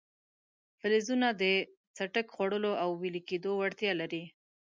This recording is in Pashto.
فلزونه د څټک خوړلو او ویلي کېدو وړتیا لري.